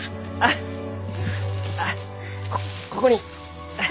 こここに。